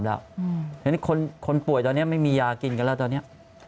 เพราะฉะนั้นคนป่วยตอนนี้ไม่มียากินกันแล้วตอนนี้